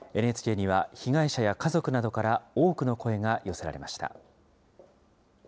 ＮＨＫには被害者や家族などから多くの声が寄せられました。